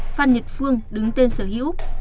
phan nhật phương đứng tên sở hữu